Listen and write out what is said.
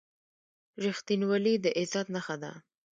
• رښتینولي د عزت نښه ده.